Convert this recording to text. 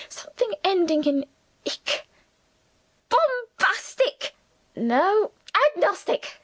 Something ending in ic. Bombastic? No, Agnostic?